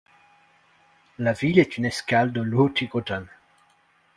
La ville est une escale de l'Hurtigruten.